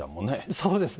そうですね。